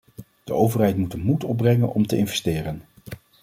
De overheid moet de moed opbrengen om te investeren.